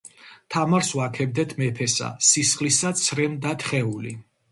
თამარს ვაქებდეთ მეფესა, სისხლისა ცრემლ-დათხეული